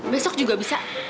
besok juga bisa